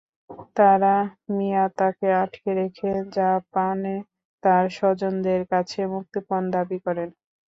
তাঁরা মিয়াতাকে আটকে রেখে জাপানে তাঁর স্বজনদের কাছে মুক্তিপণ দাবি করেন।